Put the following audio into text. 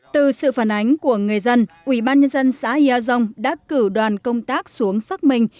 từ sự phản ánh của người dân ủy ban nhân dân xã yai dông đã cử đoàn công tác xuống xác minh